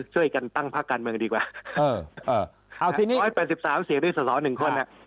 ช่วยกันตั้งภาคการเมืองดีกว่า๑๘๓เสียด้วยส่วนสองหนึ่งคน